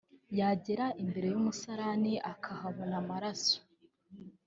yagera imbere y’umusarani akahabona amaraso